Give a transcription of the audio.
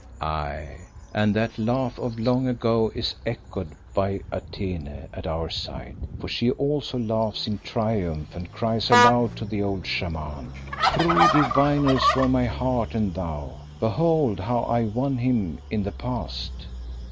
Aye, and that laugh of long ago is echoed by Atene at our side, for she also laughs in triumph and cries aloud to the old Shaman "True diviners were my heart and thou! Behold how I won him in the past."